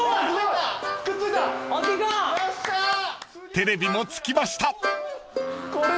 ［テレビもつきました］